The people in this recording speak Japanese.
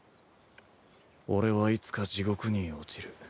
俺はいつか地獄に落ちる。